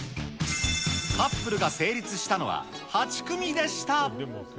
カップルが成立したのは８組でした。